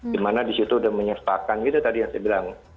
dimana disitu sudah menyertakan gitu tadi yang saya bilang